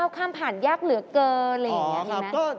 ๙คำผ่านยากเหลือเกิน